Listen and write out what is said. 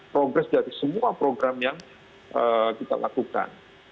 progres dari semua program yang kita lakukan